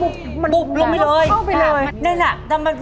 บุบลงไปเลย